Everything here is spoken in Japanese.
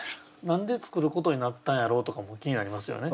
何で作ることになったんやろうとかも気になりますよね。